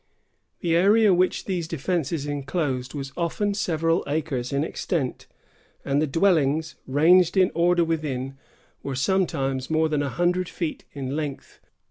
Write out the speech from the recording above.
The area which these defences enclosed was often several acres in extent, and the dwellings, ranged in order within, were sometimes more than a hundred feet in length.